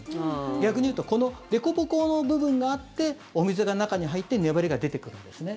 逆に言うとこのでこぼこの部分があってお水が中に入って粘りが出てくるんですね。